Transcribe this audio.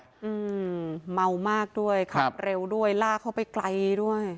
อืมเมามากด้วยขับเร็วด้วยลากเข้าไปไกลด้วย